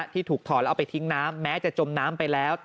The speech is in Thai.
ที่ถูกถอดแล้วเอาไปทิ้งน้ำแม้จะจมน้ำไปแล้ว